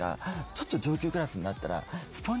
ちょっと上級クラスになったら。